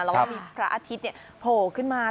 เราว่ามีพระอาทิตย์เนี่ยโผล่ขึ้นมา